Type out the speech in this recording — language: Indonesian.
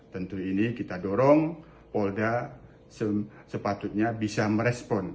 tentu ini kita dorong polda sepatutnya bisa merespon